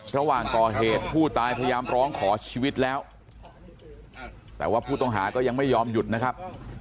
ระหว่างก่อเหตุผู้ตายพยายามร้องขอชีวิตแล้วแต่ว่าผู้ต้องหาก็ยังไม่ยอมหยุดนะครับ